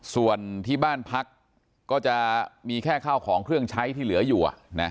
ส่วนที่บ้านพักก็จะมีแค่ข้าวของเครื่องใช้ที่เหลืออยู่